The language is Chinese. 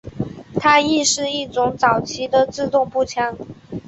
它亦是一种早期的自动步枪。